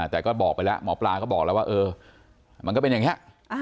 แต่ก็บอกไปแล้วหมอปลาก็บอกแล้วว่าเออมันก็เป็นอย่างนี้